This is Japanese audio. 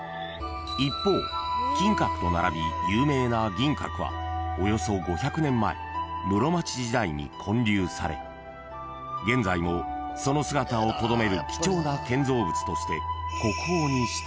［一方金閣と並び有名な銀閣はおよそ５００年前室町時代に建立され現在もその姿をとどめる貴重な建造物として］